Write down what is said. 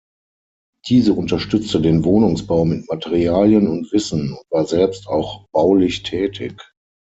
Diese unterstützte den Wohnungsbau mit Materialien und Wissen, und war selbst auch baulich tätig.